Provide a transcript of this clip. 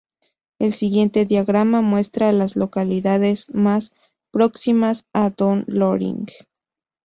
El siguiente diagrama muestra a las localidades más próximas a Dunn Loring.